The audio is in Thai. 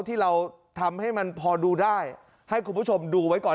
ที่เราทำให้มันพอดูได้ให้คุณผู้ชมดูไว้ก่อน